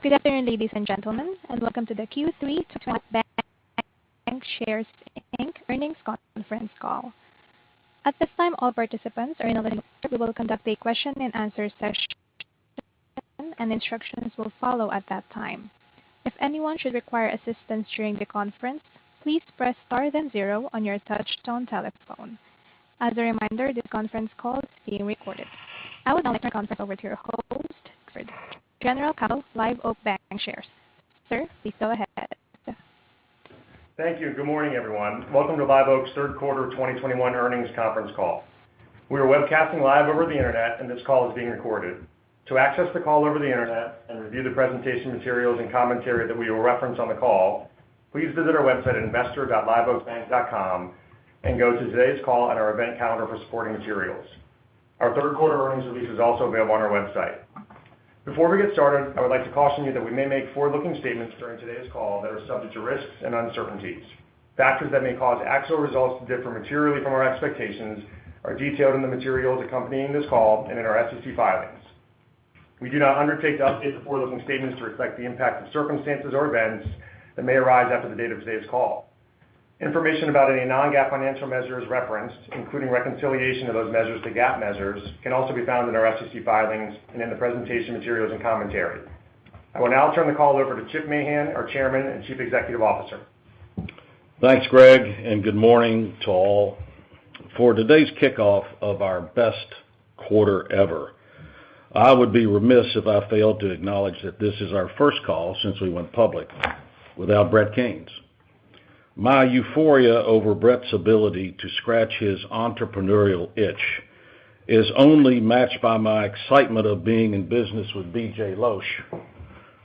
Good afternoon, ladies and gentlemen, and welcome to the Q3 Live Oak Bancshares, Inc. Earnings Conference Call. At this time, all participants are in a listen mode. We will conduct a question-and-answer session, and instructions will follow at that time. If anyone should require assistance during the conference, please press Star then zero on your touchtone telephone. As a reminder, this conference call is being recorded. I would now like to turn the conference over to your host, the General Counsel of Live Oak Bancshares. Sir, please go ahead. Thank you. Good morning, everyone. Welcome to Live Oak's Third Quarter of 2021 Earnings Conference Call. We are webcasting live over the internet, and this call is being recorded. To access the call over the internet and review the presentation materials and commentary that we will reference on the call, please visit our website at investor.liveoakbank.com and go to today's call on our event calendar for supporting materials. Our third quarter earnings release is also available on our website. Before we get started, I would like to caution you that we may make forward-looking statements during today's call that are subject to risks and uncertainties. Factors that may cause actual results to differ materially from our expectations are detailed in the materials accompanying this call and in our SEC filings. We do not undertake to update the forward-looking statements to reflect the impact of circumstances or events that may arise after the date of today's call. Information about any non-GAAP financial measures referenced, including reconciliation of those measures to GAAP measures, can also be found in our SEC filings and in the presentation materials and commentary. I will now turn the call over to Chip Mahan, our Chairman and Chief Executive Officer. Thanks, Greg, and good morning to all. For today's kickoff of our best quarter ever, I would be remiss if I failed to acknowledge that this is our first call since we went public without Brett Caines. My euphoria over Brett's ability to scratch his entrepreneurial itch is only matched by my excitement of being in business with BJ Losch,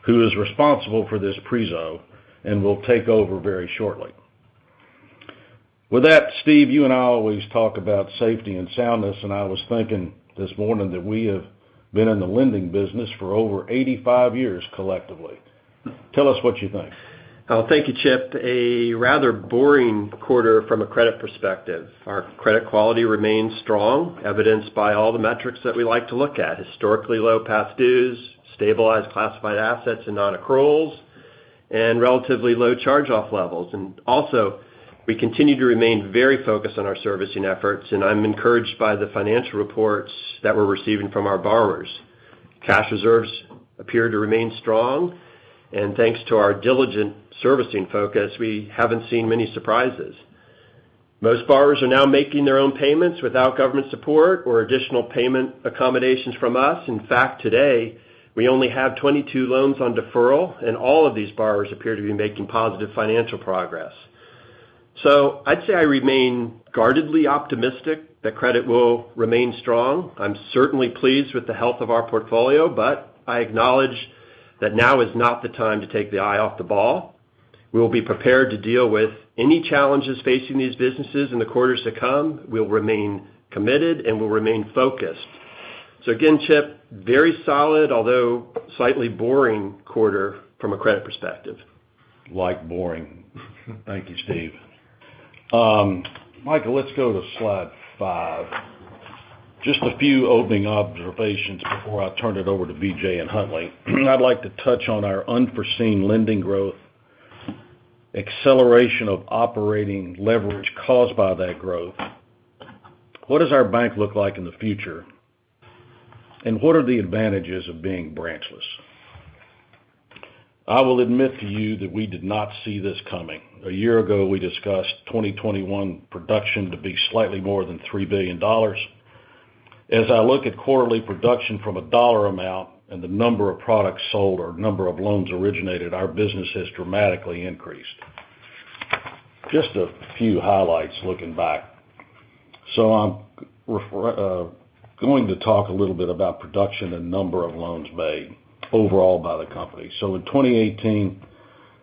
who is responsible for this appraisal and will take over very shortly. With that, Steve, you and I always talk about safety and soundness, and I was thinking this morning that we have been in the lending business for over 85 years collectively. Tell us what you think. Thank you, Chip. A rather boring quarter from a credit perspective. Our credit quality remains strong, evidenced by all the metrics that we like to look at, historically low past dues, stabilized classified assets and non-accruals, and relatively low charge-off levels. We continue to remain very focused on our servicing efforts, and I'm encouraged by the financial reports that we're receiving from our borrowers. Cash reserves appear to remain strong, and thanks to our diligent servicing focus, we haven't seen many surprises. Most borrowers are now making their own payments without government support or additional payment accommodations from us. In fact, today, we only have 22 loans on deferral, and all of these borrowers appear to be making positive financial progress. I'd say I remain guardedly optimistic that credit will remain strong. I'm certainly pleased with the health of our portfolio, but I acknowledge that now is not the time to take the eye off the ball. We will be prepared to deal with any challenges facing these businesses in the quarters to come. We'll remain committed, and we'll remain focused. Again, Chip, very solid, although slightly boring quarter from a credit perspective. It's boring. Thank you, Steve. Michael, let's go to slide five. Just a few opening observations before I turn it over to BJ and Huntley. I'd like to touch on our unforeseen lending growth, acceleration of operating leverage caused by that growth. What does our bank look like in the future? What are the advantages of being branchless? I will admit to you that we did not see this coming. A year ago, we discussed 2021 production to be slightly more than $3 billion. As I look at quarterly production from a dollar amount and the number of products sold or number of loans originated, our business has dramatically increased. Just a few highlights looking back. I'm going to talk a little bit about production and number of loans made overall by the company. In 2018,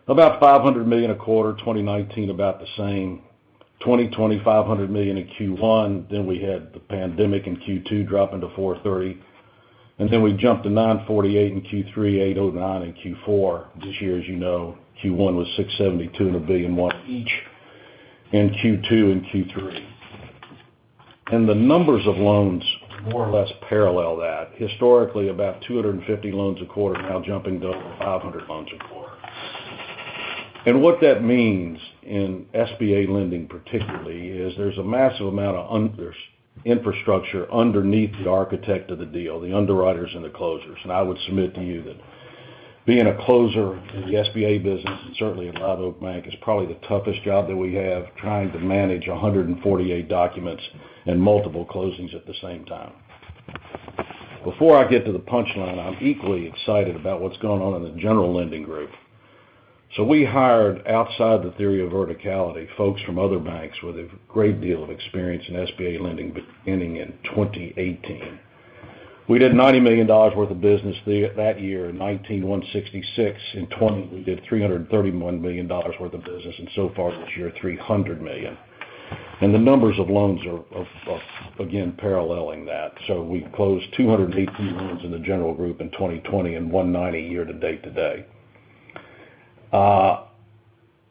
about $500 million a quarter, 2019, about the same, 2020, $500 million in Q1, then we had the pandemic in Q2 drop into $430. Then we jumped to $948 in Q3, $809 in Q4. This year, as you know, Q1 was $672 and $1.01 billion each in Q2 and Q3. The numbers of loans more or less parallel that, historically, about 250 loans a quarter now jumping to over 500 loans a quarter. What that means in SBA lending, particularly, is there's a massive amount of infrastructure underneath the architecture of the deal, the underwriters and the closers. I would submit to you that being a closer in the SBA business, and certainly at Live Oak Bank, is probably the toughest job that we have, trying to manage 148 documents and multiple closings at the same time. Before I get to the punch line, I'm equally excited about what's going on in the general lending group. We hired outside the theory of verticality, folks from other banks with a great deal of experience in SBA lending beginning in 2018. We did $90 million worth of business that year, $191.66 million. In '20, we did $331 million worth of business, and so far this year, $300 million. The numbers of loans are again paralleling that. We closed 218 loans in the general group in 2021 90 year to date today.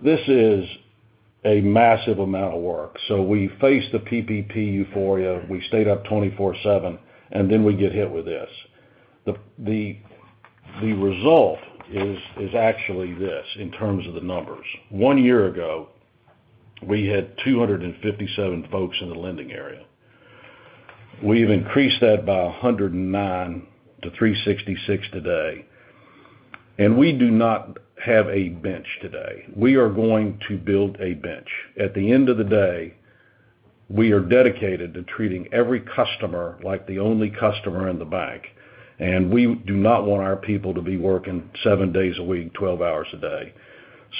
This is a massive amount of work. We faced the PPP euphoria, we stayed up 24/7, and then we get hit with this. The result is actually this in terms of the numbers. One year ago, we had 257 folks in the lending area. We've increased that by 109 to 366 today. We do not have a bench today. We are going to build a bench. At the end of the day, we are dedicated to treating every customer like the only customer in the bank, and we do not want our people to be working seven days a week, 12 hours a day.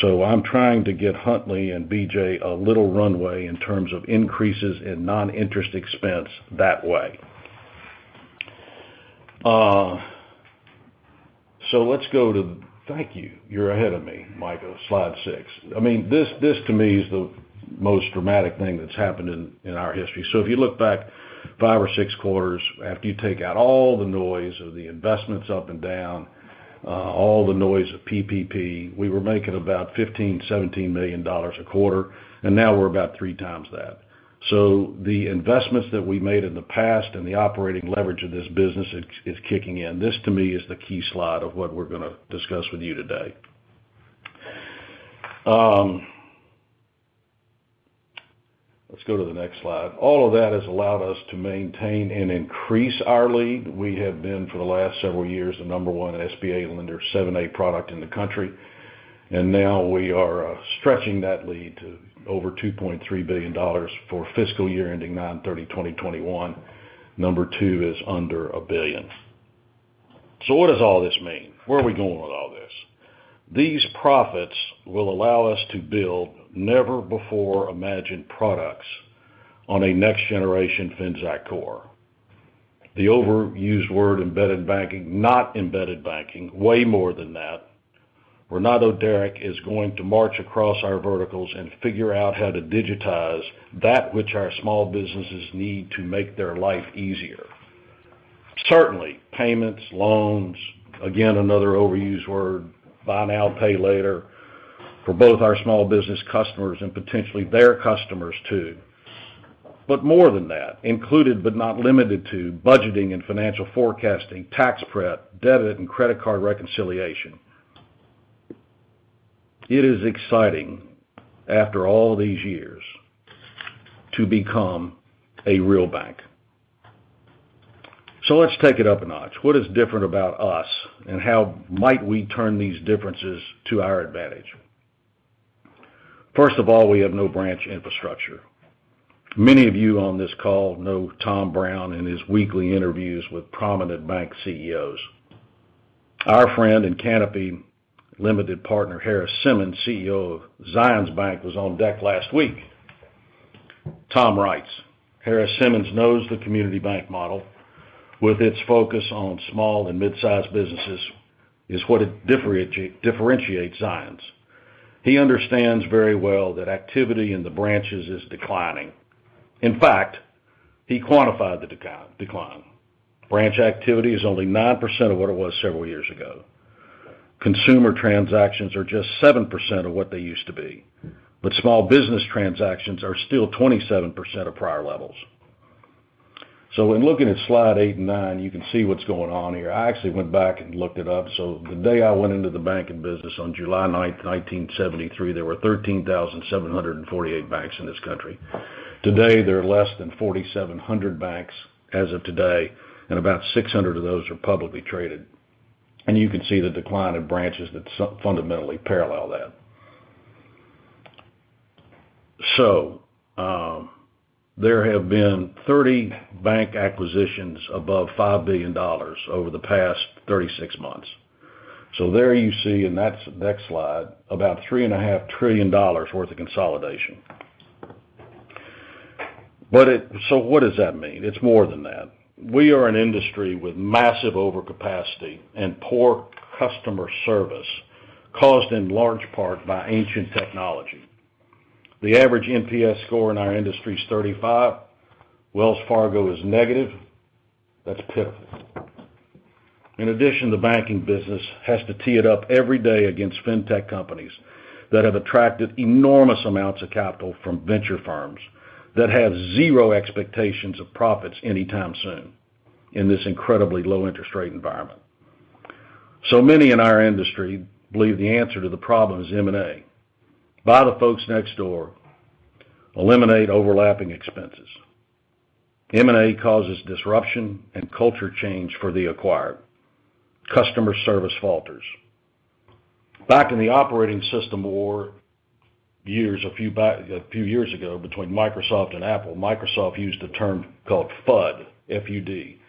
I'm trying to give Huntley and BJ a little runway in terms of increases in non-interest expense that way. Thank you. You're ahead of me, Michael. Slide six. I mean, this to me is the most dramatic thing that's happened in our history. If you look back five or six quarters, after you take out all the noise of the investments up and down, all the noise of PPP, we were making about $15-$17 million a quarter, and now we're about three times that. The investments that we made in the past and the operating leverage of this business is kicking in. This, to me, is the key slide of what we're gonna discuss with you today. Let's go to the next slide. All of that has allowed us to maintain and increase our lead. We have been, for the last several years, the number one SBA lender 7(a) product in the country. Now we are stretching that lead to over $2.3 billion for fiscal year ending 9/30/2021. Number two is under $1 billion. What does all this mean? Where are we going with all this? These profits will allow us to build never-before imagined products on a next-generation fintech core. The overused word embedded banking, not embedded banking, way more than that. Renato Derraik is going to march across our verticals and figure out how to digitize that which our small businesses need to make their life easier. Certainly, payments, loans, again, another overused word, buy now, pay later, for both our small business customers and potentially their customers too. More than that, included but not limited to budgeting and financial forecasting, tax prep, debit and credit card reconciliation. It is exciting after all these years to become a real bank. Let's take it up a notch. What is different about us, and how might we turn these differences to our advantage? First of all, we have no branch infrastructure. Many of you on this call know Tom Brown and his weekly interviews with prominent bank CEOs. Our friend and Canapi limited partner, Harris Simmons, CEO of Zions Bank, was on deck last week. Tom writes, "Harris Simmons knows the community bank model with its focus on small and mid-sized businesses is what differentiates Zions. He understands very well that activity in the branches is declining." In fact, he quantified the decline. Branch activity is only 9% of what it was several years ago. Consumer transactions are just 7% of what they used to be, but small business transactions are still 27% of prior levels. When looking at slide eight and nine, you can see what's going on here. I actually went back and looked it up. The day I went into the banking business on July 9, 1973, there were 13,748 banks in this country. Today, there are less than 4,700 banks as of today, and about 600 of those are publicly traded. You can see the decline of branches that fundamentally parallel that. There have been 30 bank acquisitions above $5 billion over the past 36 months. There you see in that next slide, about $3.5 trillion worth of consolidation. What does that mean? It's more than that. We are an industry with massive overcapacity and poor customer service, caused in large part by ancient technology. The average NPS score in our industry is 35. Wells Fargo is negative. That's pitiful. In addition, the banking business has to tee it up every day against fintech companies that have attracted enormous amounts of capital from venture firms that have zero expectations of profits anytime soon in this incredibly low interest rate environment. Many in our industry believe the answer to the problem is M&A. Buy the folks next door, eliminate overlapping expenses. M&A causes disruption and culture change for the acquired. Customer service falters. Back in the operating system war years, a few years ago, between Microsoft and Apple, Microsoft used a term called FUD, F-U-D,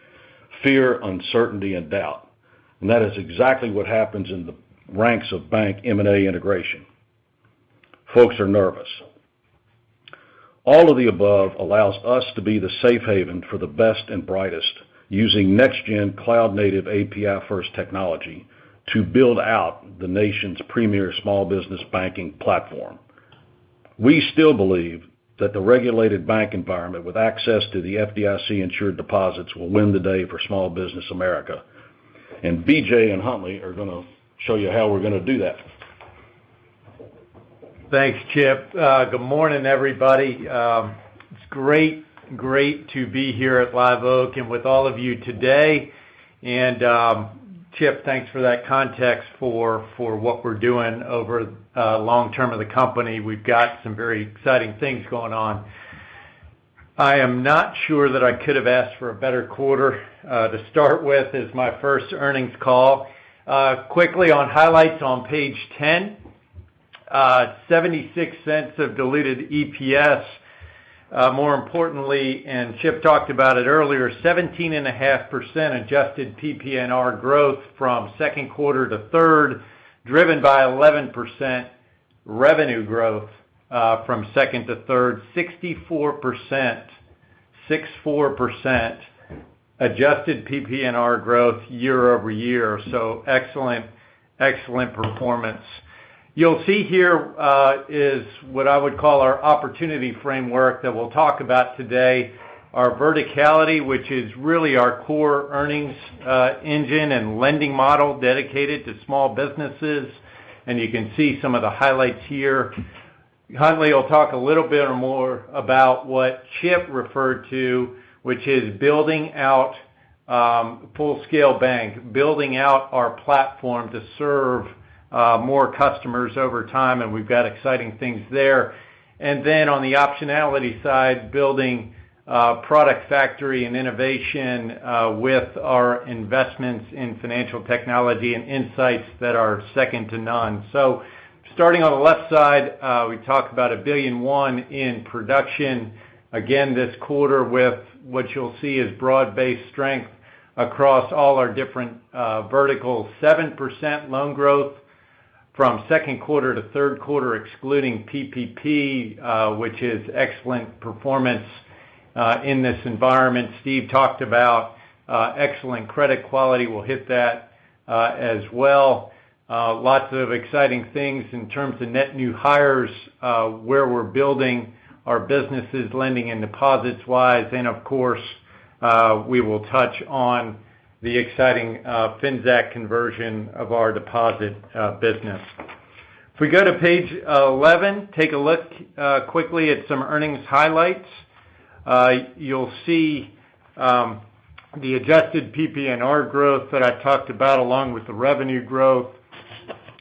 fear, uncertainty, and doubt. That is exactly what happens in the ranks of bank M&A integration. Folks are nervous. All of the above allows us to be the safe haven for the best and brightest using next-gen cloud-native API-first technology to build out the nation's premier small business banking platform. We still believe that the regulated bank environment with access to the FDIC-insured deposits will win the day for small business America. BJ and Huntley are gonna show you how we're gonna do that. Thanks, Chip. Good morning, everybody. It's great to be here at Live Oak and with all of you today. Chip, thanks for that context for what we're doing over long term of the company. We've got some very exciting things going on. I am not sure that I could have asked for a better quarter to start with as my first earnings call. Quickly on highlights on page 10, $0.76 of diluted EPS. More importantly, and Chip talked about it earlier, 17.5% adjusted PPNR growth from second quarter to third, driven by 11% revenue growth from second to third. 64% adjusted PPNR growth year-over-year. Excellent performance. You'll see here is what I would call our opportunity framework that we'll talk about today. Our verticality, which is really our core earnings engine and lending model dedicated to small businesses. You can see some of the highlights here. Huntley will talk a little bit more about what Chip referred to, which is building out full-scale bank, building out our platform to serve more customers over time, and we've got exciting things there. Then on the optionality side, building product factory and innovation with our investments in financial technology and insights that are second to none. Starting on the left side, we talked about $1.1 billion in production. Again, this quarter with what you'll see is broad-based strength across all our different verticals. 7% loan growth from second quarter to third quarter, excluding PPP, which is excellent performance in this environment. Steve talked about excellent credit quality. We'll hit that as well. Lots of exciting things in terms of net new hires, where we're building our businesses, lending and deposits-wise. Of course, we will touch on the exciting fintech conversion of our deposit business. If we go to page 11, take a look quickly at some earnings highlights. You'll see the adjusted PPNR growth that I talked about, along with the revenue growth.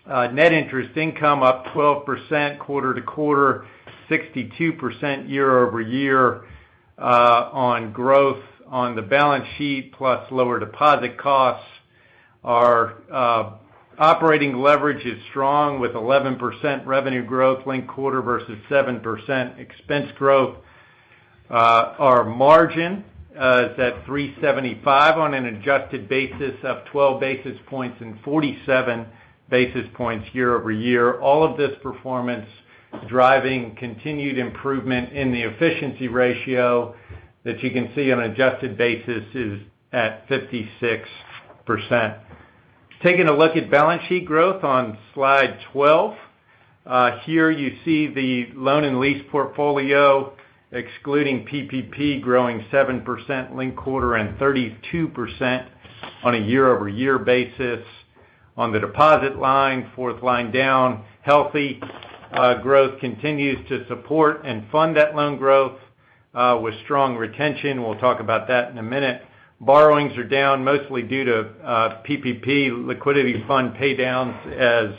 Net interest income up 12% quarter-over-quarter, 62% year-over-year, on growth in the balance sheet, plus lower deposit costs. Our operating leverage is strong with 11% revenue growth linked-quarter versus 7% expense growth. Our margin is at 375 on an adjusted basis of 12 basis points and 47 basis points year-over-year. All of this performance driving continued improvement in the efficiency ratio that you can see on an adjusted basis is at 56%. Taking a look at balance sheet growth on slide 12. Here you see the loan and lease portfolio, excluding PPP, growing 7% linked-quarter and 32% on a year-over-year basis. On the deposit line, fourth line down, healthy growth continues to support and fund that loan growth with strong retention. We'll talk about that in a minute. Borrowings are down mostly due to PPP liquidity fund pay downs as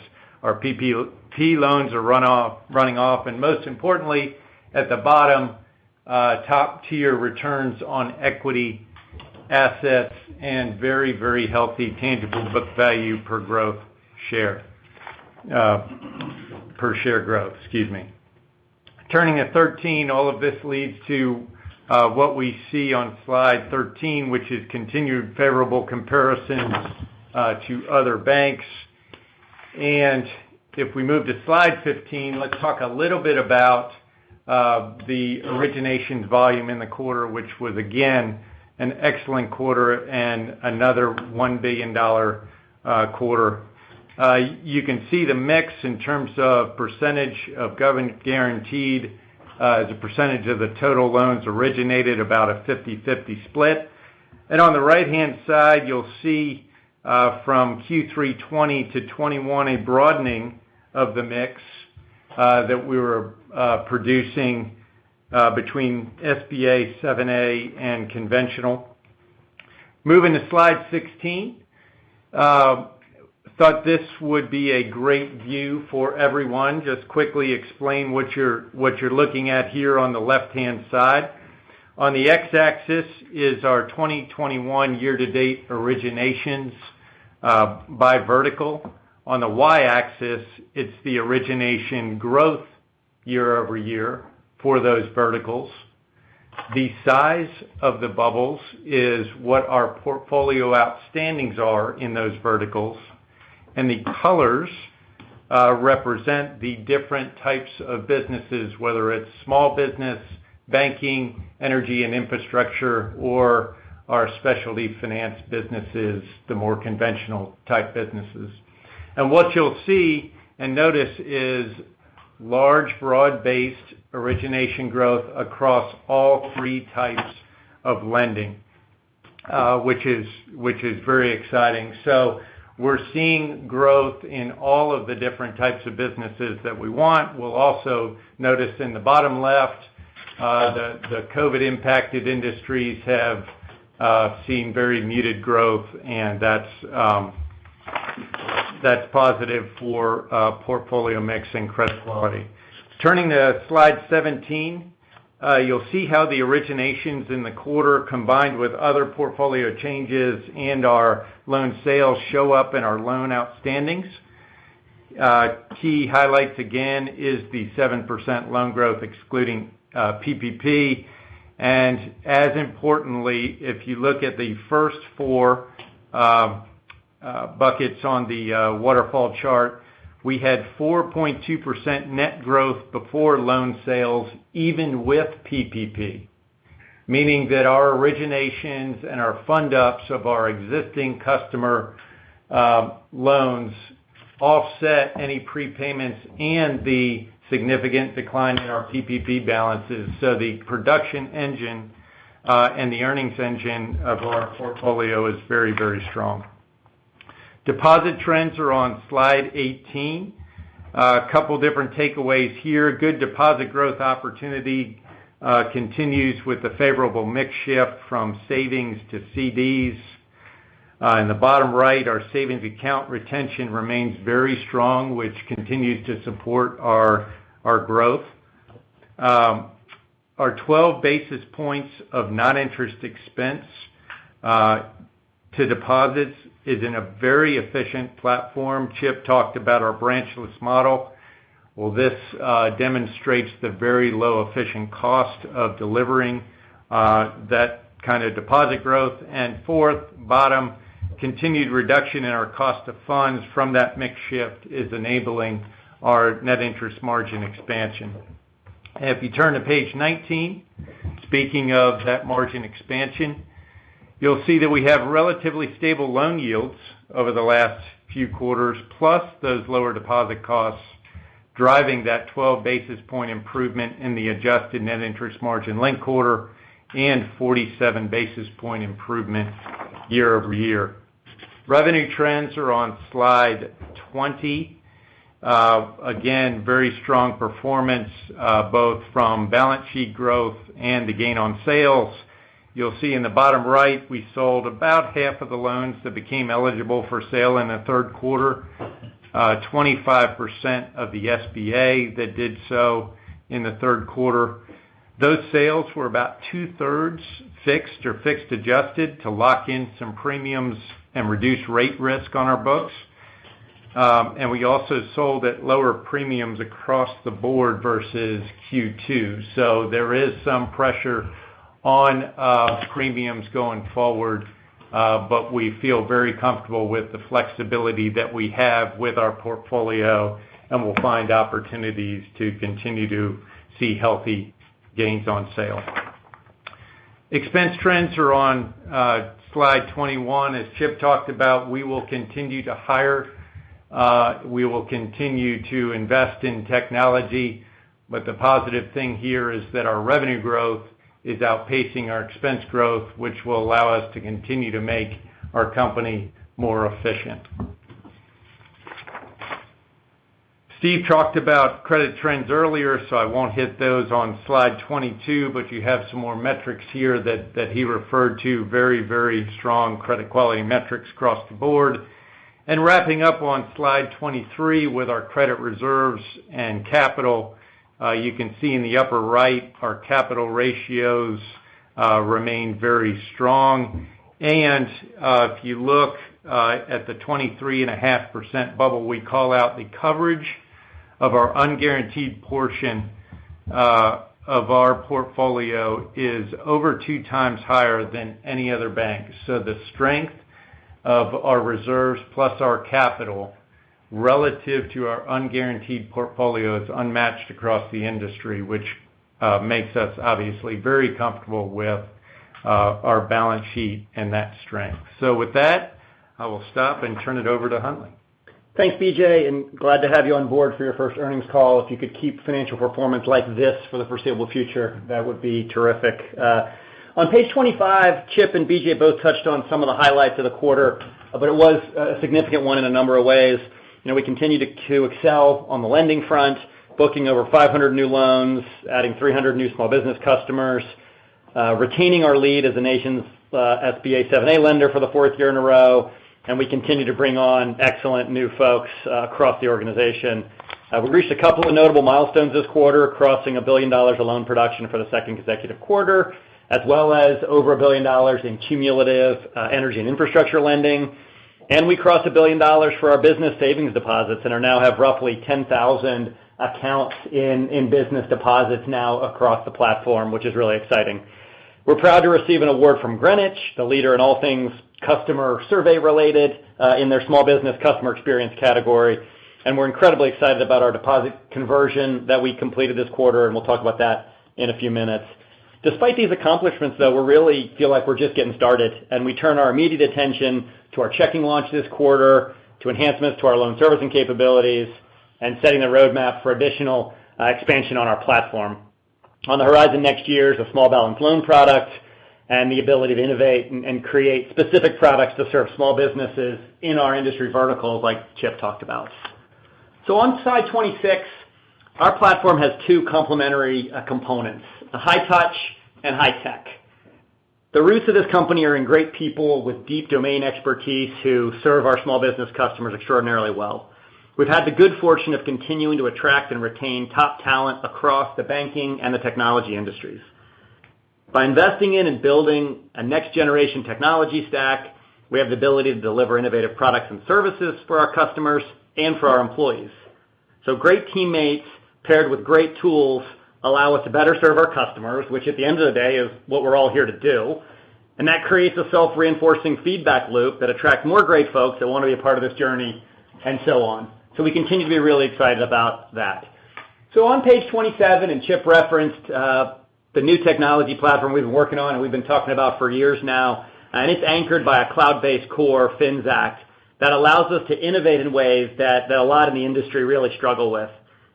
our PPP loans are running off. Most importantly, at the bottom, top-tier returns on equity and assets and very, very healthy tangible book value per share growth. Turning to 13, all of this leads to what we see on slide 13, which is continued favorable comparisons to other banks. If we move to slide 15, let's talk a little bit about the originations volume in the quarter, which was again an excellent quarter and another $1 billion quarter. You can see the mix in terms of percentage of government-guaranteed as a percentage of the total loans originated about a 50/50 split. On the right-hand side, you'll see from Q3 2020 to 2021 a broadening of the mix that we were producing between SBA 7(a) and conventional. Moving to slide 16. I thought this would be a great view for everyone. Just quickly explain what you're looking at here on the left-hand side. On the X-axis is our 2021 year-to-date originations by vertical. On the Y-axis, it's the origination growth year-over-year for those verticals. The size of the bubbles is what our portfolio outstandings are in those verticals. The colors represent the different types of businesses, whether it's small business-banking, energy and infrastructure, or our specialty finance businesses, the more conventional type businesses. What you'll see and notice is large, broad-based origination growth across all three types of lending, which is very exciting. We're seeing growth in all of the different types of businesses that we want. We'll also notice in the bottom left, the COVID-impacted industries have seen very muted growth, and that's positive for portfolio mix and credit quality. Turning to slide 17, you'll see how the originations in the quarter combined with other portfolio changes and our loan sales show up in our loan outstandings. Key highlights, again, is the 7% loan growth excluding PPP. As importantly, if you look at the first four buckets on the waterfall chart, we had 4.2% net growth before loan sales, even with PPP, meaning that our originations and our fund ups of our existing customer loans offset any prepayments and the significant decline in our PPP balances. The production engine and the earnings engine of our portfolio is very, very strong. Deposit trends are on slide 18. A couple different takeaways here. Good deposit growth opportunity continues with a favorable mix shift from savings to CDs. In the bottom right, our savings account retention remains very strong, which continues to support our growth. Our 12 basis points of non-interest expense to deposits is in a very efficient platform. Chip talked about our branchless model. This demonstrates the very low efficient cost of delivering that kind of deposit growth. Fourth, bottom, continued reduction in our cost of funds from that mix shift is enabling our net interest margin expansion. If you turn to page 19, speaking of that margin expansion, you'll see that we have relatively stable loan yields over the last few quarters, plus those lower deposit costs driving that 12 basis points improvement in the adjusted net interest margin linked quarter and 47 basis points improvement year-over-year. Revenue trends are on slide 20. Again, very strong performance, both from balance sheet growth and the gain on sales. You'll see in the bottom right, we sold about half of the loans that became eligible for sale in the third quarter, 25% of the SBA that did so in the third quarter. Those sales were about two-thirds fixed or fixed adjusted to lock in some premiums and reduce rate risk on our books. We also sold at lower premiums across the board versus Q2. There is some pressure on premiums going forward, but we feel very comfortable with the flexibility that we have with our portfolio, and we'll find opportunities to continue to see healthy gains on sale. Expense trends are on slide 21. As Chip talked about, we will continue to hire. We will continue to invest in technology. The positive thing here is that our revenue growth is outpacing our expense growth, which will allow us to continue to make our company more efficient. Steve talked about credit trends earlier, so I won't hit those on slide 22, but you have some more metrics here that he referred to very, very strong credit quality metrics across the board. Wrapping up on slide 23 with our credit reserves and capital, you can see in the upper right, our capital ratios remain very strong. If you look at the 23.5% bubble, we call out the coverage of our unguaranteed portion of our portfolio is over two times higher than any other bank. The strength of our reserves plus our capital relative to our unguaranteed portfolio is unmatched across the industry, which makes us obviously very comfortable with our balance sheet and that strength. With that, I will stop and turn it over to Huntley. Thanks, BJ, and glad to have you on board for your first earnings call. If you could keep financial performance like this for the foreseeable future, that would be terrific. On page 25, Chip and BJ both touched on some of the highlights of the quarter, but it was a significant one in a number of ways. You know, we continue to excel on the lending front, booking over 500 new loans, adding 300 new small business customers, retaining our lead as the nation's SBA 7(a) lender for the fourth year in a row, and we continue to bring on excellent new folks across the organization. We reached a couple of notable milestones this quarter, crossing $1 billion of loan production for the second consecutive quarter, as well as over $1 billion in cumulative energy and infrastructure lending. We crossed $1 billion for our business savings deposits and now have roughly 10,000 accounts in business deposits now across the platform, which is really exciting. We're proud to receive an award from Greenwich, the leader in all things customer survey-related, in their small business customer experience category. We're incredibly excited about our deposit conversion that we completed this quarter, and we'll talk about that in a few minutes. Despite these accomplishments, though, we really feel like we're just getting started, and we turn our immediate attention to our checking launch this quarter, to enhancements to our loan servicing capabilities, and setting the roadmap for additional, expansion on our platform. On the horizon next year is a small balance loan product and the ability to innovate and create specific products to serve small businesses in our industry verticals, like Chip talked about. On slide 26, our platform has two complementary components, the high touch and high tech. The roots of this company are in great people with deep domain expertise who serve our small business customers extraordinarily well. We've had the good fortune of continuing to attract and retain top talent across the banking and the technology industries. By investing in and building a next-generation technology stack, we have the ability to deliver innovative products and services for our customers and for our employees. Great teammates paired with great tools allow us to better serve our customers, which at the end of the day is what we're all here to do, and that creates a self-reinforcing feedback loop that attracts more great folks that wanna be a part of this journey and so on. We continue to be really excited about that. On page 27, Chip referenced the new technology platform we've been working on, and we've been talking about for years now, and it's anchored by a cloud-based core Finxact that allows us to innovate in ways that a lot in the industry really struggle with.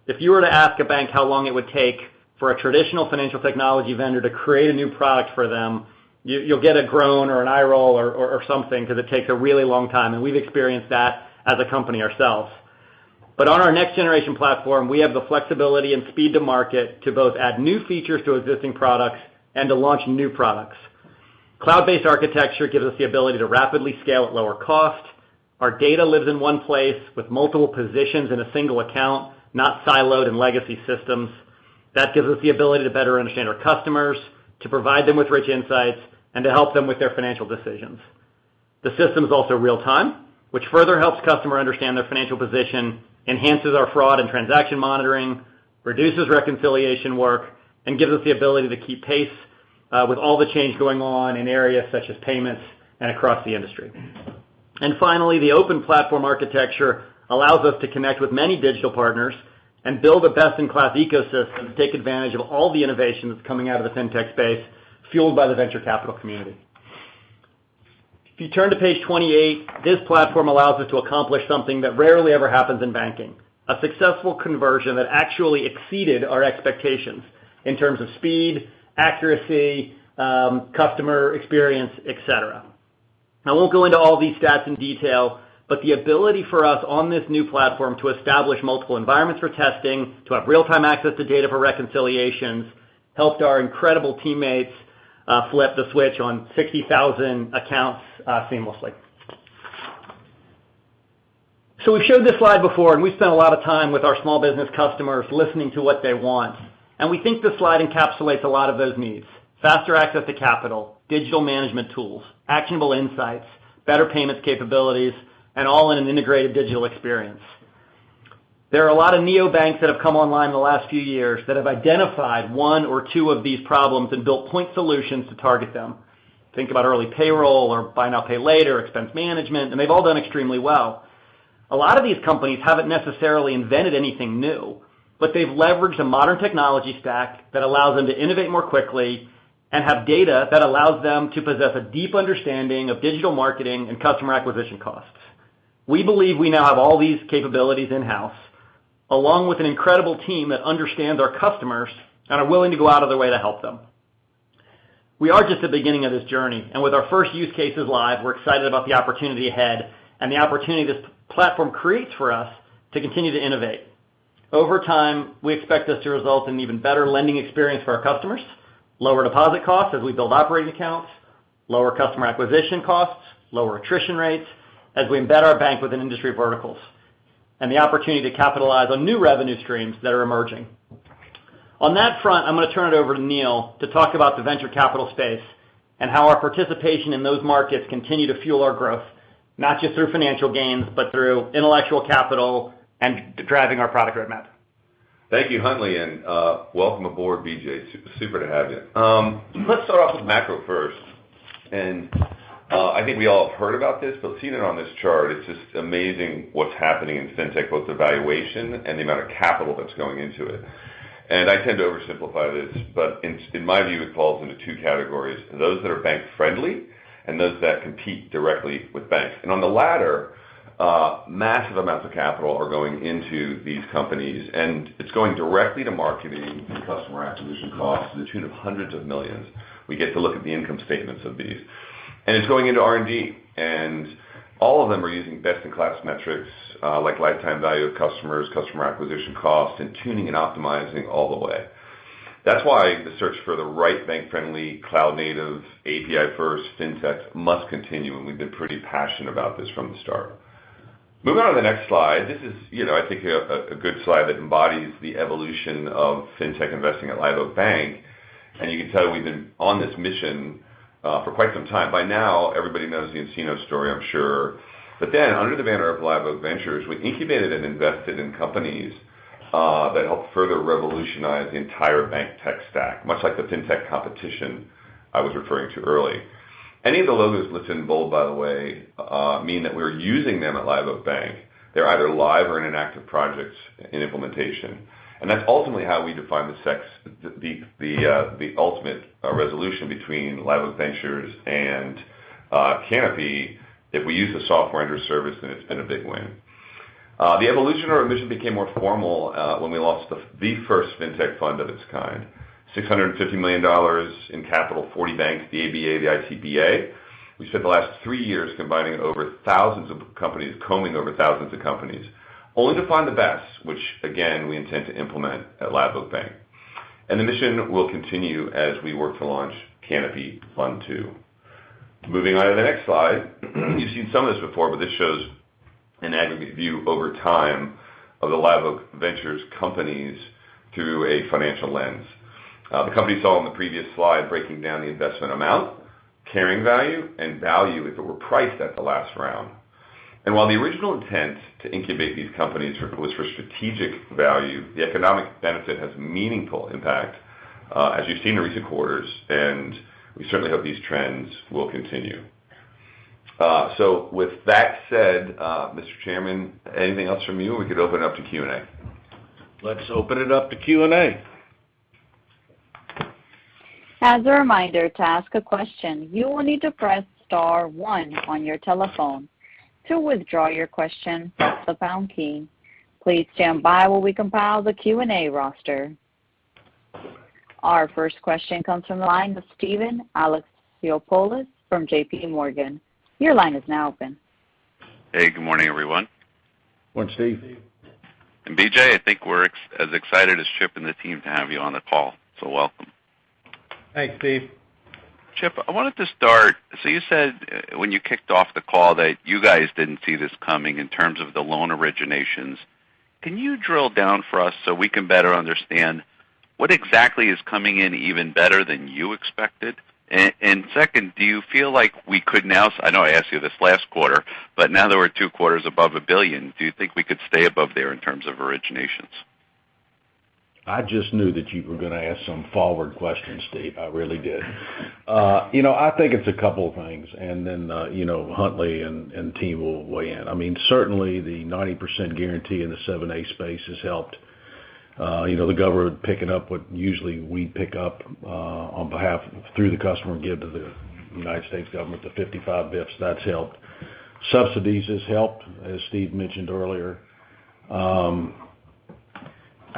If you were to ask a bank how long it would take for a traditional financial technology vendor to create a new product for them, you'll get a groan or an eye roll or something because it takes a really long time, and we've experienced that as a company ourselves. On our next generation platform, we have the flexibility and speed to market to both add new features to existing products and to launch new products. Cloud-based architecture gives us the ability to rapidly scale at lower cost. Our data lives in one place with multiple positions in a single account, not siloed in legacy systems. That gives us the ability to better understand our customers, to provide them with rich insights, and to help them with their financial decisions. The system's also real-time, which further helps customers understand their financial position, enhances our fraud and transaction monitoring, reduces reconciliation work, and gives us the ability to keep pace with all the change going on in areas such as payments and across the industry. Finally, the open platform architecture allows us to connect with many digital partners and build a best-in-class ecosystem to take advantage of all the innovation that's coming out of the fintech space, fueled by the venture capital community. If you turn to page 28, this platform allows us to accomplish something that rarely ever happens in banking, a successful conversion that actually exceeded our expectations in terms of speed, accuracy, customer experience, et cetera. I won't go into all these stats in detail, but the ability for us on this new platform to establish multiple environments for testing, to have real-time access to data for reconciliations, helped our incredible teammates flip the switch on 60,000 accounts seamlessly. We've showed this slide before, and we've spent a lot of time with our small business customers listening to what they want, and we think this slide encapsulates a lot of those needs. Faster access to capital, digital management tools, actionable insights, better payments capabilities, and all in an integrated digital experience. There are a lot of neobanks that have come online in the last few years that have identified one or two of these problems and built point solutions to target them. Think about early payroll or buy now, pay later, expense management, and they've all done extremely well. A lot of these companies haven't necessarily invented anything new, but they've leveraged a modern technology stack that allows them to innovate more quickly and have data that allows them to possess a deep understanding of digital marketing and customer acquisition costs. We believe we now have all these capabilities in-house, along with an incredible team that understands our customers and are willing to go out of their way to help them. We are just at the beginning of this journey, and with our first use cases live, we're excited about the opportunity ahead and the opportunity this platform creates for us to continue to innovate. Over time, we expect this to result in even better lending experience for our customers, lower deposit costs as we build operating accounts, lower customer acquisition costs, lower attrition rates as we embed our bank within industry verticals, and the opportunity to capitalize on new revenue streams that are emerging. On that front, I'm gonna turn it over to Neil to talk about the venture capital space and how our participation in those markets continue to fuel our growth, not just through financial gains, but through intellectual capital and driving our product roadmap. Thank you, Huntley, and welcome aboard, BJ. Super to have you. Let's start off with macro first. I think we all have heard about this, but seeing it on this chart, it's just amazing what's happening in fintech, both the valuation and the amount of capital that's going into it. I tend to oversimplify this, but in my view, it falls into two categories, those that are bank friendly and those that compete directly with banks. On the latter, massive amounts of capital are going into these companies, and it's going directly to marketing and customer acquisition costs to the tune of hundreds of millions. We get to look at the income statements of these. It's going into R&D. All of them are using best-in-class metrics, like lifetime value of customers, customer acquisition costs, and tuning and optimizing all the way. That's why the search for the right bank-friendly, cloud-native, API-first fintechs must continue, and we've been pretty passionate about this from the start. Moving on to the next slide, this is, you know, I think a good slide that embodies the evolution of fintech investing at Live Oak Bank. You can tell we've been on this mission for quite some time. By now, everybody knows the nCino story, I'm sure. Then under the banner of Live Oak Ventures, we incubated and invested in companies, that helped further revolutionize the entire bank tech stack, much like the fintech competition I was referring to earlier. Any of the logos listed in bold, by the way, mean that we're using them at Live Oak Bank. They're either live or in active projects in implementation, and that's ultimately how we define the success, the ultimate resolution between Live Oak Ventures and Canapi. If we use the software as a service, then it's been a big win. The evolution of our mission became more formal when we launched the first fintech fund of its kind, $650 million in capital, 40 banks, the ABA, the ICBA. We spent the last three years combing over thousands of companies, only to find the best, which again, we intend to implement at Live Oak Bank. The mission will continue as we work to launch Canapi Fund 2. Moving on to the next slide. You've seen some of this before, but this shows an aggregate view over time of the Live Oak Ventures companies through a financial lens. The companies shown on the previous slide, breaking down the investment amount, carrying value, and value if it were priced at the last round. While the original intent to incubate these companies was for strategic value, the economic benefit has meaningful impact, as you've seen in recent quarters, and we certainly hope these trends will continue. With that said, Mr. Chairman, anything else from you or we could open it up to Q&A? Let's open it up to Q&A. As a reminder to ask a question you'll need to press star one on your telephone. To withdraw your question, the thumb key. Please stand by while we compile the Q&A roster. Our first question comes from the line of Steven Alexopoulos from JPMorgan. Your line is now open. Hey, good morning, everyone. Good morning, Steve. BJ, I think we're as excited as Chip and the team to have you on the call, so welcome. Thanks, Steve. Chip, I wanted to start. You said when you kicked off the call that you guys didn't see this coming in terms of the loan originations. Can you drill down for us so we can better understand what exactly is coming in even better than you expected? And second, do you feel like we could now. I know I asked you this last quarter, but now that we're two quarters above a billion, do you think we could stay above there in terms of originations? I just knew that you were gonna ask some forward questions, Steve. I really did. I think it's a couple of things, and then Huntley and team will weigh in. I mean, certainly, the 90% guarantee in the 7(a) space has helped, you know, the government picking up what usually we pick up on behalf of the customer and give to the United States government, the 55 basis points, that's helped. Subsidies has helped, as Steve mentioned earlier.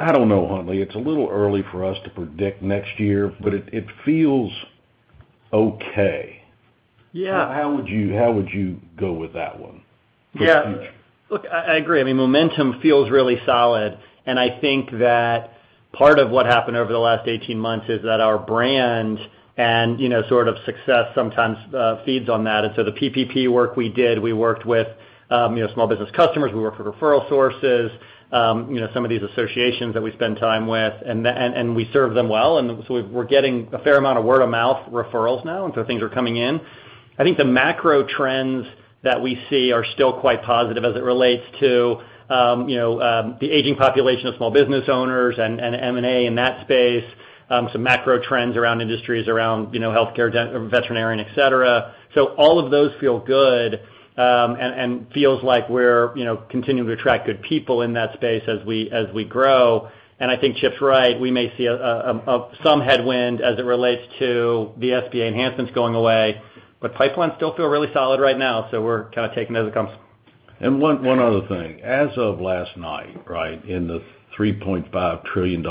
I don't know, Huntley. It's a little early for us to predict next year, but it feels okay. Yeah. How would you go with that one for the future. Yeah. Look, I agree. I mean, momentum feels really solid, and I think that part of what happened over the last 18 months is that our brand and, you know, sort of success sometimes feeds on that. The PPP work we did, we worked with, you know, small business customers. We worked with referral sources, you know, some of these associations that we spend time with and we serve them well, and so we're getting a fair amount of word-of-mouth referrals now, and so things are coming in. I think the macro trends that we see are still quite positive as it relates to, you know, the aging population of small business owners and M&A in that space, some macro trends around industries, around, you know, healthcare, veterinarian, et cetera. All of those feel good, and feels like we're, you know, continuing to attract good people in that space as we grow. I think Chip's right, we may see some headwind as it relates to the SBA enhancements going away, but pipelines still feel really solid right now, so we're kind of taking it as it comes. One other thing. As of last night, right? In the $3.5 trillion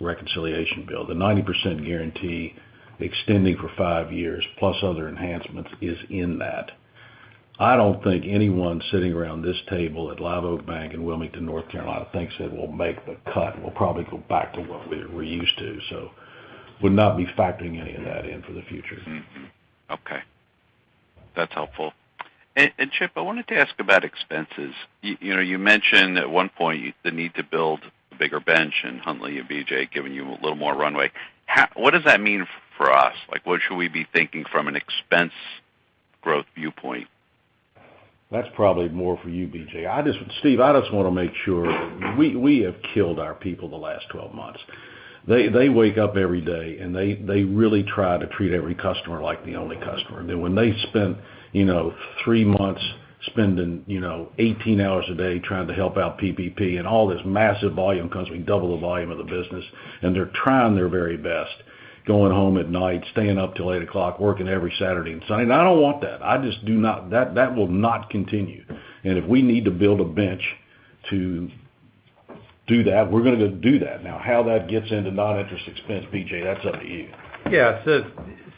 reconciliation bill, the 90% guarantee extending for five years plus other enhancements is in that. I don't think anyone sitting around this table at Live Oak Bank in Wilmington, North Carolina, thinks it will make the cut. We'll probably go back to what we're used to, so would not be factoring any of that in for the future. Mm-hmm. Okay. That's helpful. Chip, I wanted to ask about expenses. You mentioned at one point the need to build a bigger bench and Huntley and BJ giving you a little more runway. How, what does that mean for us? What should we be thinking from an expense growth viewpoint? That's probably more for you, BJ. Steve, I just wanna make sure we have killed our people the last 12 months. They wake up every day, and they really try to treat every customer like the only customer. Then when they spend, you know, three months spending, you know, 18 hours a day trying to help out PPP and all this massive volume because we doubled the volume of the business, and they're trying their very best, going home at night, staying up till 8 o'clock, working every Saturday and Sunday. I don't want that. I just do not. That will not continue. If we need to build a bench to do that, we're gonna do that. Now, how that gets into non-interest expense, BJ, that's up to you. Yeah.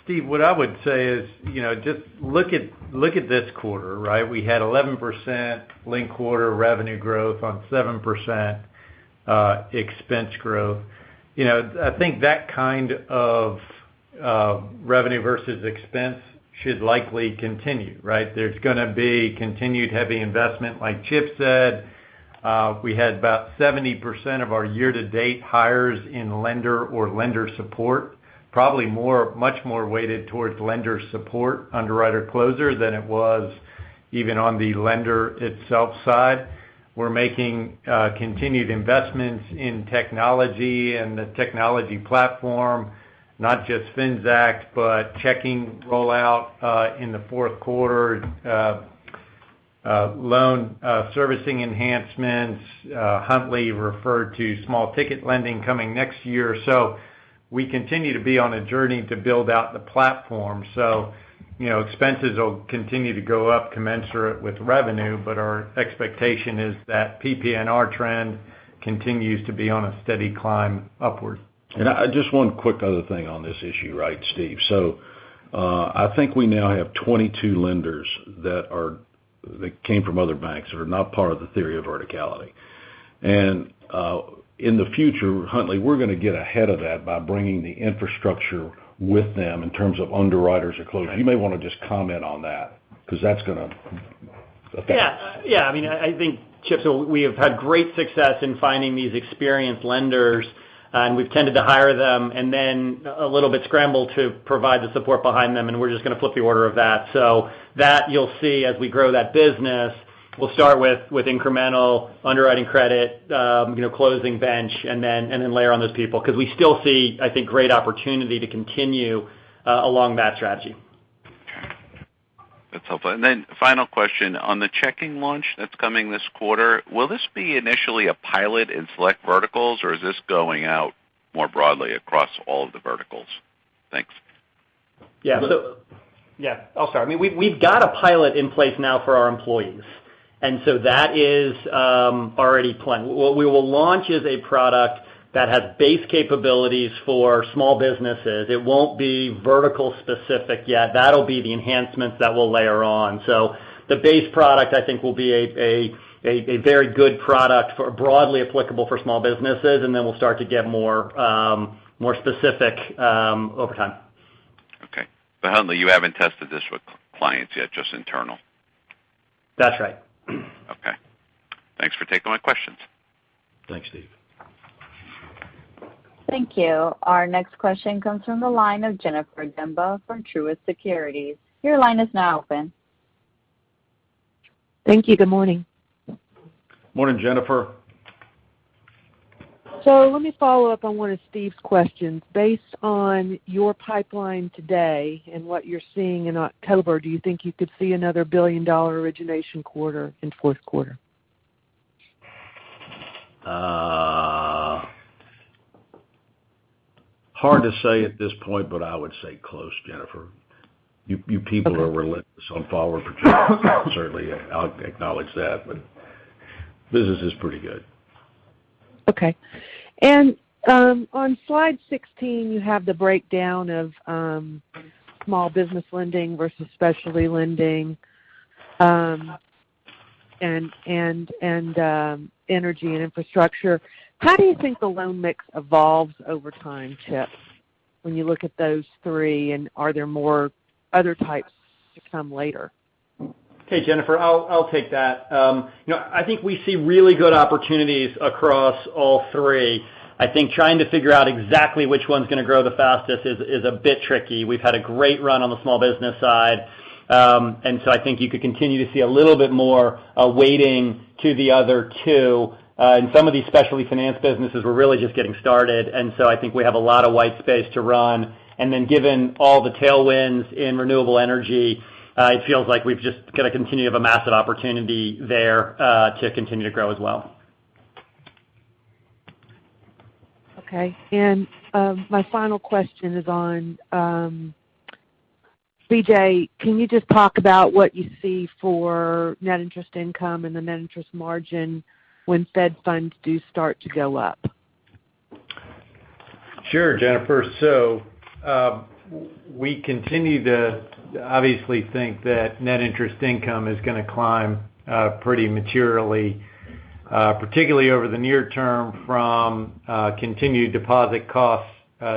Steve, what I would say is, you know, just look at this quarter, right? We had 11% linked-quarter revenue growth on 7% expense growth. I think that kind of revenue versus expense should likely continue, right? There's gonna be continued heavy investment, like Chip said. We had about 70% of our year-to-date hires in lender or lender support, probably more, much more weighted towards lender support, underwriter, closer than it was even on the lender itself side. We're making continued investments in technology and the technology platform, not just Finxact, but checking rollout in the fourth quarter, loan servicing enhancements. Huntley referred to small ticket lending coming next year. We continue to be on a journey to build out the platform. Expenses will continue to go up commensurate with revenue, but our expectation is that PPNR trend continues to be on a steady climb upward. I just want one quick other thing on this issue, right, Steve. I think we now have 22 lenders that came from other banks, that are not part of the theory of verticality. In the future, Huntley, we're gonna get ahead of that by bringing the infrastructure with them in terms of underwriters or closers. You may wanna just comment on that because that's gonna affect- I mean, I think, Chip, we have had great success in finding these experienced lenders, and we've tended to hire them and then a little bit scramble to provide the support behind them, and we're just gonna flip the order of that. You'll see as we grow that business, we'll start with incremental underwriting credit, you know, closing bench and then layer on those people because we still see, I think, great opportunity to continue along that strategy. That's helpful. Final question. On the checking launch that's coming this quarter, will this be initially a pilot in select verticals, or is this going out more broadly across all of the verticals? Thanks. Oh, sorry. I mean, we've got a pilot in place now for our employees. That is already planned. What we will launch is a product that has base capabilities for small businesses. It won't be vertical specific yet. That'll be the enhancements that we'll layer on. The base product I think will be a very good product broadly applicable for small businesses, and then we'll start to get more specific over time. Okay. Huntley, you haven't tested this with clients yet, just internal? That's right. Okay. Thanks for taking my questions. Thanks, Steve. Thank you. Our next question comes from the line of Jennifer Demba from Truist Securities. Your line is now open. Thank you. Good morning. Morning, Jennifer. Let me follow up on one of Steven's questions. Based on your pipeline today and what you're seeing in October, do you think you could see another billion-dollar origination quarter in fourth quarter? Hard to say at this point, but I would say close, Jennifer. You people are relentless on forward projections. Certainly, I'll acknowledge that, but business is pretty good. Okay. On slide 16, you have the breakdown of small business lending versus specialty lending, and energy and infrastructure. How do you think the loan mix evolves over time, Chip, when you look at those three, and are there more other types to come later? Okay, Jennifer, I'll take that. I think we see really good opportunities across all three. I think trying to figure out exactly which one's gonna grow the fastest is a bit tricky. We've had a great run on the small business side. I think you could continue to see a little bit more weighting to the other two. Some of these specialty finance businesses, we're really just getting started, and so I think we have a lot of white space to run. Given all the tailwinds in renewable energy, it feels like we've just got a continuation of a massive opportunity there to continue to grow as well. Okay. My final question is on BJ. Can you just talk about what you see for net interest income and the net interest margin when Fed funds do start to go up? Sure, Jennifer. We continue to obviously think that net interest income is gonna climb pretty materially, particularly over the near term from continued deposit costs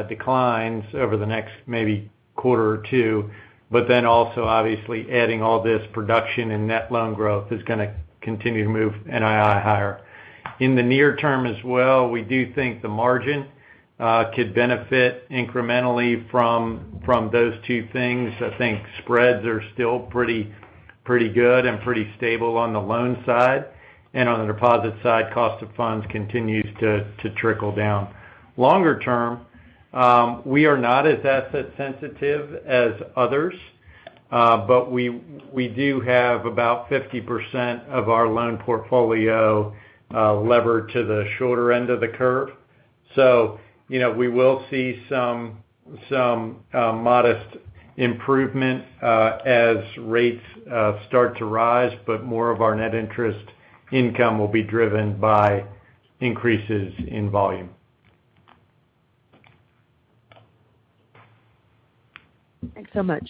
declines over the next maybe quarter or two. Also obviously adding all this production and net loan growth is gonna continue to move NII higher. In the near term as well, we do think the margin could benefit incrementally from those two things. I think spreads are still pretty good and pretty stable on the loan side. On the deposit side, cost of funds continues to trickle down. Longer term, we are not as asset sensitive as others, but we do have about 50% of our loan portfolio levered to the shorter end of the curve. We will see some modest improvement as rates start to rise, but more of our net interest income will be driven by increases in volume. Thanks so much.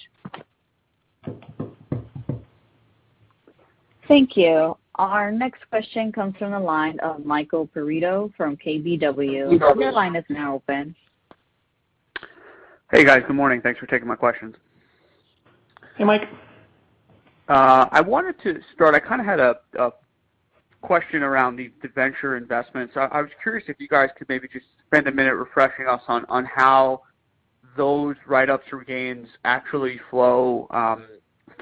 Thank you. Our next question comes from the line of Michael Perito from KBW. Your line is now open. Hey guys, good morning. Thanks for taking my questions. Hey, Mike. I wanted to start. I had a question around the venture investments. I was curious if you guys could maybe just spend a minute refreshing us on how those write-ups or gains actually flow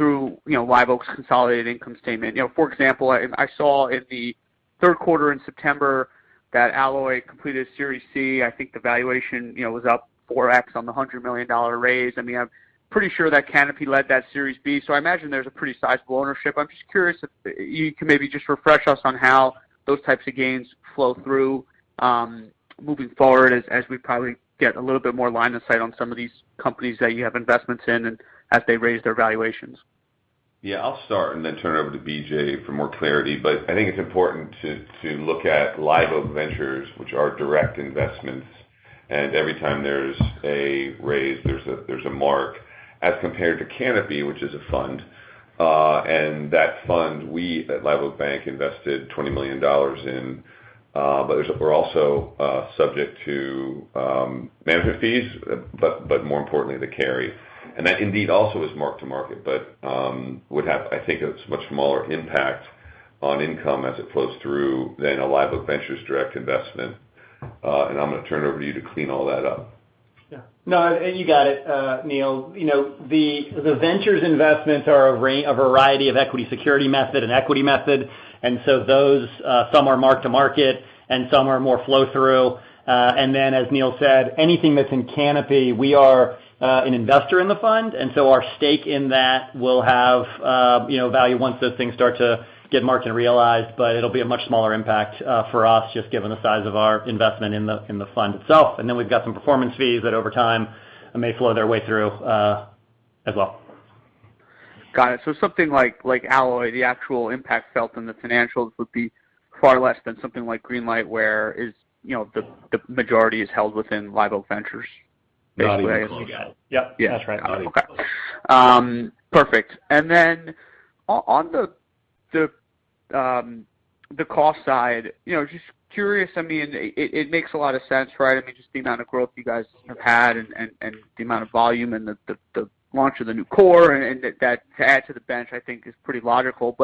through, you know, Live Oak's consolidated income statement. For example, I saw in the third quarter in September that Alloy completed Series C. I think the valuation, you know, was up 4x on the $100 million raise. I mean, I'm pretty sure that Canapi led that Series B. I imagine there's a pretty sizable ownership. I'm just curious if you can maybe just refresh us on how those types of gains flow through, moving forward as we probably get a little bit more line of sight on some of these companies that you have investments in and as they raise their valuations. Yeah, I'll start and then turn it over to BJ for more clarity. I think it's important to look at Live Oak Ventures, which are direct investments, and every time there's a raise, there's a mark as compared to Canapi, which is a fund. That fund, we at Live Oak Bank invested $20 million in, but we're also subject to management fees, but more importantly, the carry. That indeed also is mark to market, but would have, I think it's much smaller impact on income as it flows through than a Live Oak Ventures direct investment. I'm gonna turn it over to you to clean all that up. Yeah. No, you got it, Neil. You know, the ventures investments are a variety of equity security method and equity method. Those, some are mark to market and some are more flow through. As Neil said, anything that's in Canapi, we are an investor in the fund, and our stake in that will have, you know, value once those things start to get marked and realized, but it'll be a much smaller impact for us, just given the size of our investment in the fund itself. We've got some performance fees that over time may flow their way through, as well. Got it. Something like Alloy, the actual impact felt in the financials would be far less than something like Greenlight, whereas, you know, the majority is held within Live Oak Ventures basically. Not even close. You got it. Yep. Yeah. That's right. Okay. Perfect. On the cost side, you know, just curious, I mean, it makes a lot of sense, right? I mean, just the amount of growth you guys have had and the amount of volume and the launch of the new core and that to add to the bench, I think is pretty logical.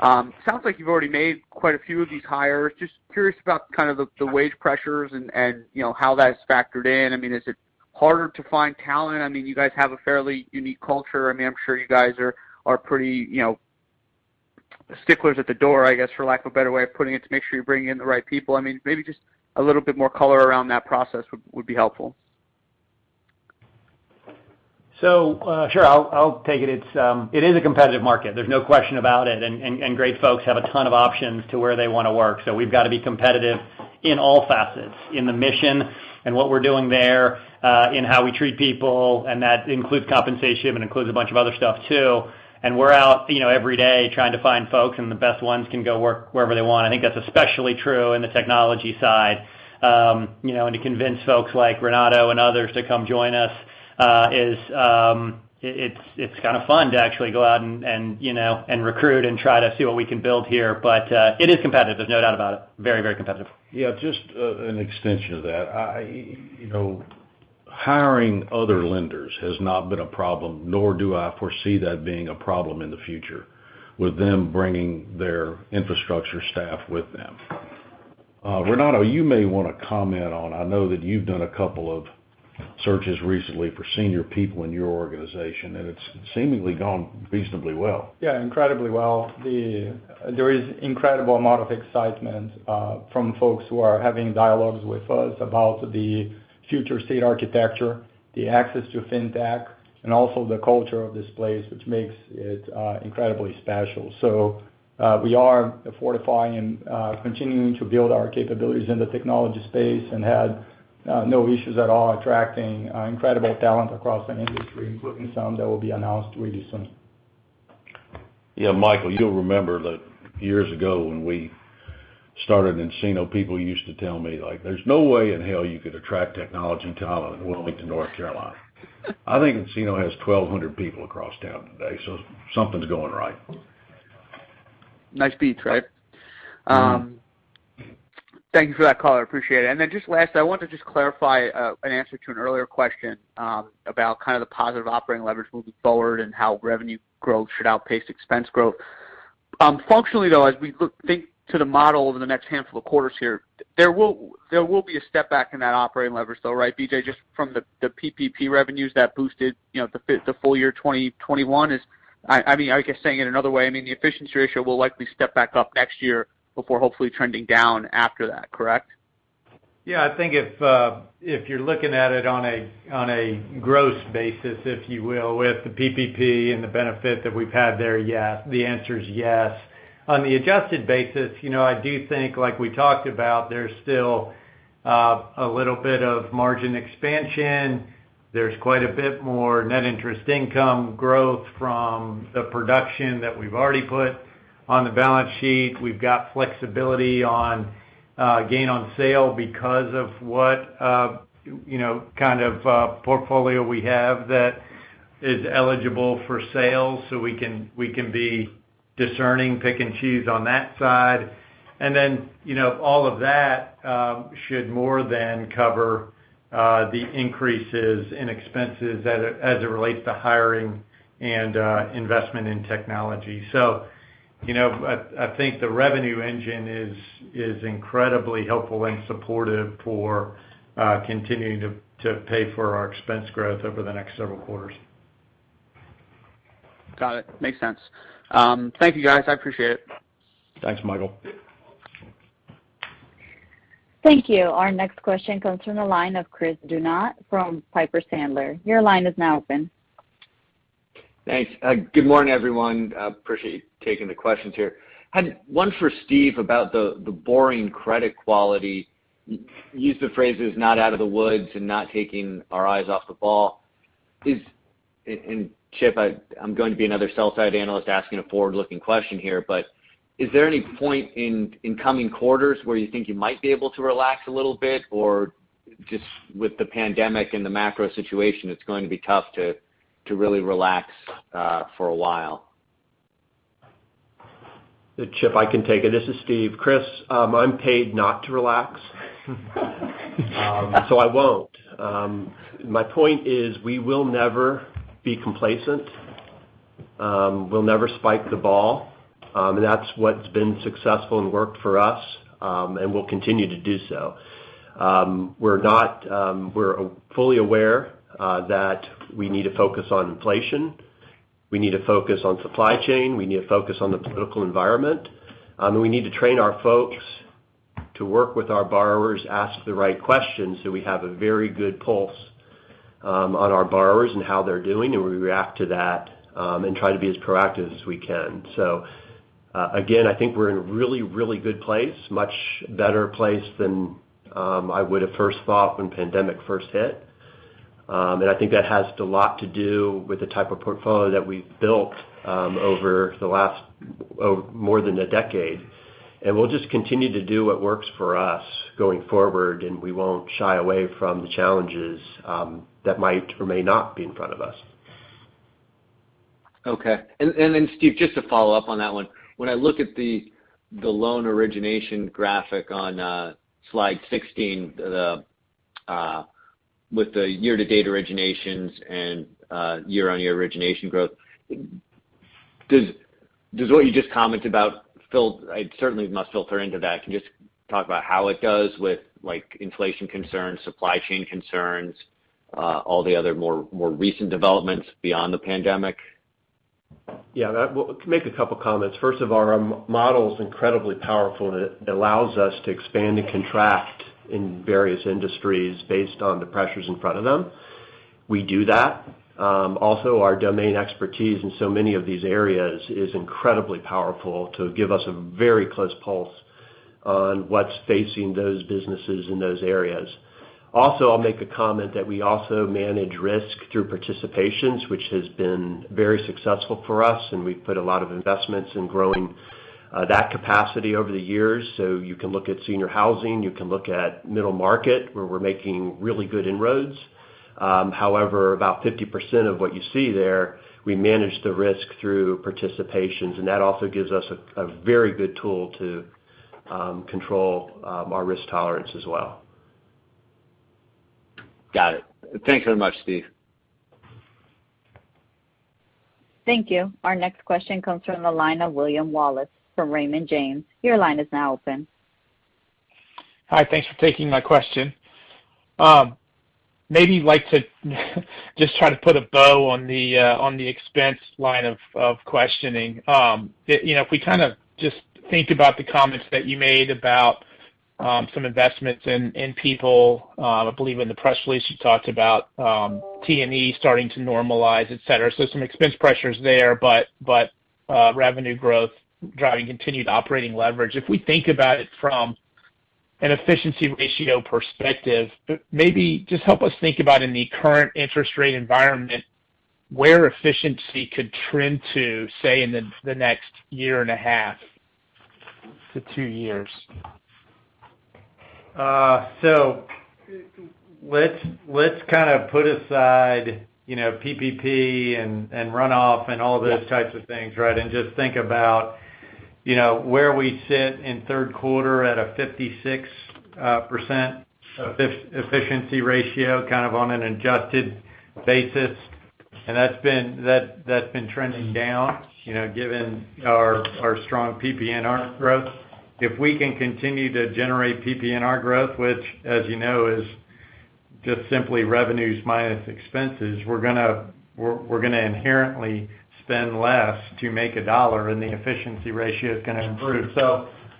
Sounds like you've already made quite a few of these hires. Just curious about kind of the wage pressures and you know, how that's factored in. I mean, is it harder to find talent? I mean, you guys have a fairly unique culture. I mean, I'm sure you guys are pretty, you know, sticklers at the door, I guess, for lack of a better way of putting it, to make sure you're bringing in the right people. I mean, maybe just a little bit more color around that process would be helpful. Sure. I'll take it. It is a competitive market. There's no question about it. Great folks have a ton of options to where they wanna work. We've got to be competitive in all facets, in the mission and what we're doing there, in how we treat people, and that includes compensation and a bunch of other stuff too. We're out, you know, every day trying to find folks and the best ones can go work wherever they want. I think that's especially true in the technology side. To convince folks like Renato and others to come join us is kind of fun to actually go out and, you know, recruit and try to see what we can build here. It is competitive. There's no doubt about it. Very, very competitive. Yeah, just an extension of that. I, you know, hiring other lenders has not been a problem, nor do I foresee that being a problem in the future with them bringing their infrastructure staff with them. Renato, you may wanna comment on, I know that you've done a couple of searches recently for senior people in your organization, and it's seemingly gone reasonably well. Yeah, incredibly well. There is incredible amount of excitement from folks who are having dialogues with us about the future state architecture, the access to fintech, and also the culture of this place, which makes it incredibly special. We are fortifying and continuing to build our capabilities in the technology space and had no issues at all attracting incredible talent across the industry, including some that will be announced really soon. Yeah, Michael, you'll remember that years ago when we started nCino, people used to tell me, like, "There's no way in hell you could attract technology talent in Wilmington, North Carolina." I think nCino has 1,200 people across town today, so something's going right. Nice beats, right? Thank you for that color. I appreciate it. Just lastly, I wanted to just clarify an answer to an earlier question about kind of the positive operating leverage moving forward and how revenue growth should outpace expense growth. Functionally, though, as we look to the model over the next handful of quarters here, there will be a step back in that operating leverage though, right, BJ? Just from the PPP revenues that boosted, you know, the full year 2021. I mean, I guess saying it another way, I mean, the efficiency ratio will likely step back up next year before hopefully trending down after that, correct? Yeah. I think if you're looking at it on a gross basis, if you will, with the PPP and the benefit that we've had there, yeah, the answer is yes. On the adjusted basis, you know, I do think, like we talked about, there's still a little bit of margin expansion. There's quite a bit more net interest income growth from the production that we've already put on the balance sheet. We've got flexibility on gain on sale because of what you know kind of portfolio we have that is eligible for sale, so we can be discerning, pick and choose on that side. Then, you know, all of that should more than cover the increases in expenses as it relates to hiring and investment in technology. I think the revenue engine is incredibly helpful and supportive for continuing to pay for our expense growth over the next several quarters. Got it. Makes sense. Thank you, guys. I appreciate it. Thanks, Michael. Thank you. Our next question comes from the line of Chris Donat from Piper Sandler. Your line is now open. Thanks. Good morning, everyone. Appreciate you taking the questions here. Had one for Steven about the boring credit quality. Use the phrases not out of the woods and not taking our eyes off the ball. Chip, I'm going to be another sell side analyst asking a forward-looking question here. Is there any point in coming quarters where you think you might be able to relax a little bit? Or just with the pandemic and the macro situation, it's going to be tough to really relax for a while. Chip, I can take it. This is Steve. Chris, I'm paid not to relax. I won't. My point is we will never be complacent. We'll never spike the ball. That's what's been successful and worked for us, and we'll continue to do so. We're fully aware that we need to focus on inflation. We need to focus on supply chain. We need to focus on the political environment. We need to train our folks to work with our borrowers, ask the right questions, so we have a very good pulse on our borrowers and how they're doing, and we react to that, and try to be as proactive as we can. Again, I think we're in a really, really good place, much better place than I would have first thought when pandemic first hit. I think that has a lot to do with the type of portfolio that we've built over the last more than a decade. We'll just continue to do what works for us going forward, and we won't shy away from the challenges that might or may not be in front of us. Okay. Steve, just to follow up on that one. When I look at the loan origination graphic on slide 16, with the year-to-date originations and year-on-year origination growth, does what you just commented about filter into that? It certainly must. Can you just talk about how it does with, like, inflation concerns, supply chain concerns, all the other more recent developments beyond the pandemic? Well, to make a couple of comments. First of all, our model is incredibly powerful, and it allows us to expand and contract in various industries based on the pressures in front of them. We do that. Also, our domain expertise in so many of these areas is incredibly powerful to give us a very close pulse on what's facing those businesses in those areas. Also, I'll make a comment that we also manage risk through participations, which has been very successful for us, and we've put a lot of investments in growing that capacity over the years. You can look at senior housing, you can look at middle market, where we're making really good inroads. However, about 50% of what you see there, we manage the risk through participations, and that also gives us a very good tool to control our risk tolerance as well. Got it. Thank you very much, Steve. Thank you. Our next question comes from the line of William Wallace from Raymond James. Your line is now open. Hi, thanks for taking my question. Maybe you'd like to just try to put a bow on the expense line of questioning. You know, if we kind of just think about the comments that you made about some investments in people, I believe in the press release, you talked about T&E starting to normalize, et cetera. So some expense pressures there, but revenue growth driving continued operating leverage. If we think about it from an efficiency ratio perspective, maybe just help us think about in the current interest rate environment where efficiency could trend to, say, in the next year and a half to two years. Let's kind of put aside, you know, PPP and runoff and all those types of things, right? Just think about, you know, where we sit in third quarter at a 56% efficiency ratio, kind of on an adjusted basis. That's been trending down, you know, given our strong PPNR growth. If we can continue to generate PPNR growth, which, as you know, is just simply revenues minus expenses, we're gonna inherently spend less to make a dollar, and the efficiency ratio is gonna improve.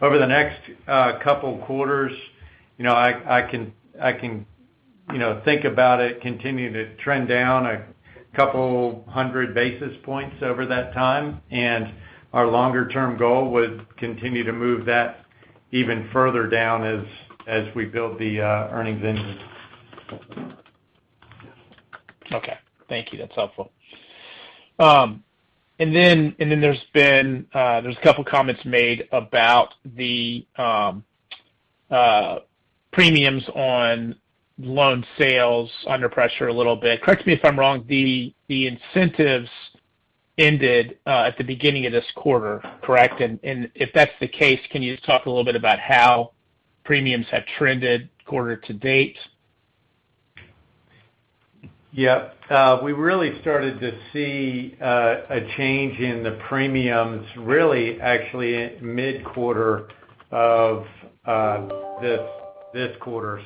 Over the next couple quarters, you know, I can think about it continuing to trend down a couple hundred basis points over that time. Our longer-term goal would continue to move that even further down as we build the earnings engine. Okay. Thank you. That's helpful. There's a couple of comments made about the premiums on loan sales under pressure a little bit. Correct me if I'm wrong, the incentives ended at the beginning of this quarter, correct? If that's the case, can you just talk a little bit about how premiums have trended quarter to date? Yeah. We really started to see a change in the premiums, really actually at mid-quarter of this quarter.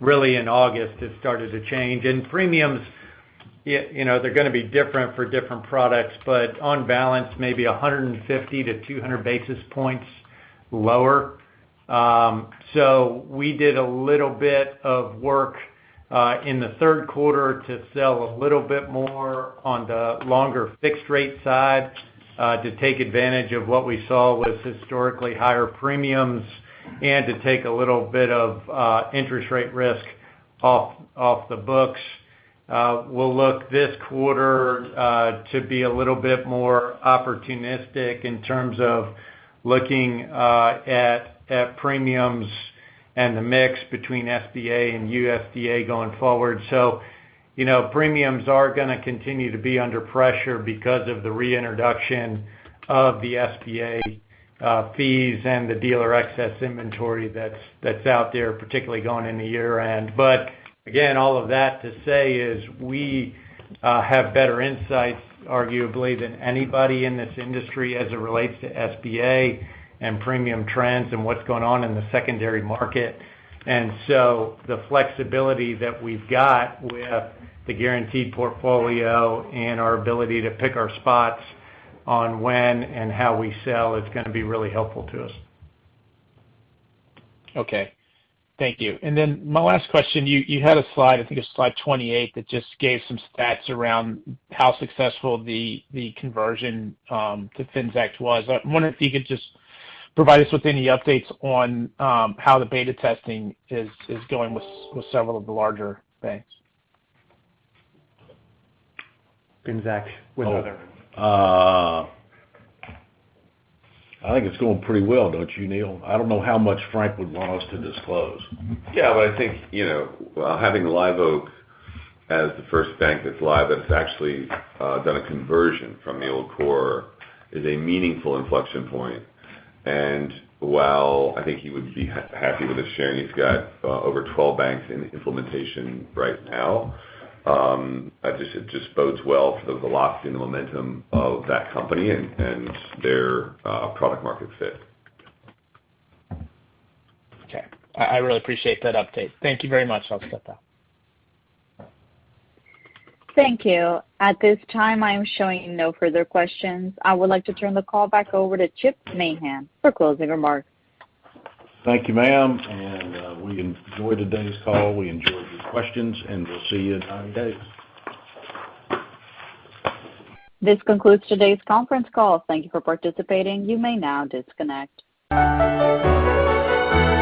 Really in August, it started to change. Premiums, you know, they're gonna be different for different products, but on balance, maybe 150-200 basis points lower. We did a little bit of work in the third quarter to sell a little bit more on the longer fixed rate side to take advantage of what we saw was historically higher premiums and to take a little bit of interest rate risk off the books. We'll look this quarter to be a little bit more opportunistic in terms of looking at premiums and the mix between SBA and USDA going forward. You know, premiums are gonna continue to be under pressure because of the reintroduction of the SBA fees and the dealer excess inventory that's out there, particularly going into year-end. Again, all of that to say is we have better insights, arguably, than anybody in this industry as it relates to SBA and premium trends and what's going on in the secondary market. The flexibility that we've got with the guaranteed portfolio and our ability to pick our spots on when and how we sell is gonna be really helpful to us. Okay. Thank you. My last question, you had a slide, I think it's slide 28, that just gave some stats around how successful the conversion to Finxact was. I wonder if you could just provide us with any updates on how the beta testing is going with several of the larger banks. Finxact. Oh. I think it's going pretty well, don't you, Neil? I don't know how much Frank would want us to disclose. Yeah, I think, you know, having Live Oak as the first bank that's live, that's actually done a conversion from the old core is a meaningful inflection point. While I think he would be happy with us sharing, he's got over 12 banks in implementation right now. I just, it just bodes well for the velocity and the momentum of that company and their product market fit. Okay. I really appreciate that update. Thank you very much. I'll step out. Thank you. At this time, I am showing no further questions. I would like to turn the call back over to Chip Mahan for closing remarks. Thank you, ma'am. We enjoyed today's call. We enjoyed your questions, and we'll see you in 90 days. This concludes today's conference call. Thank you for participating. You may now disconnect.